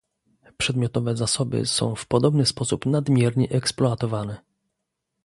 Przedmiotowe zasoby są w podobny sposób nadmiernie eksploatowane